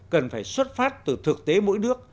cần phải xuất phát từ thực tế mỗi nước